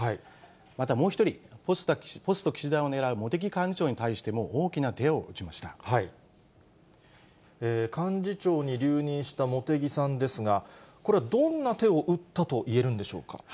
また、もう１人、ポスト岸田を狙う茂木幹事長に対しても、大きな幹事長に留任した茂木さんですが、これはどんな手を打ったといえるんでしょうか。